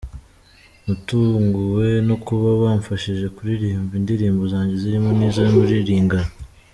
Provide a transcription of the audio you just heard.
Natunguwe no kuba bamfashije kuririmba indirimbo zanjye zirimo n’izo muri Lingala.